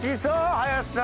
林さん。